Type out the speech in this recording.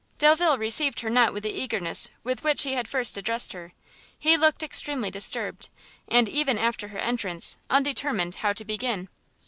Delvile received her not with the eagerness with which he had first addressed her; he looked extremely disturbed, and, even after her entrance, undetermined how to begin.